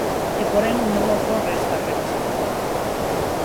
E, porén, non ocorre esta revisión.